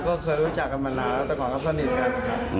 ก็เคยรู้จักกันมานานแล้วแต่ก่อนครับสนิทกัน